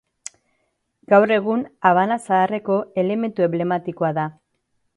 Gaur egun Habana Zaharreko elementu enblematikoa da.